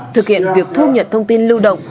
thực hiện việc thu nhận thông tin lưu động